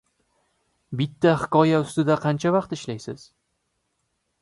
Bitta hikoya ustida qancha vaqt ishlaysiz?